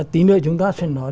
tí nữa chúng ta sẽ nói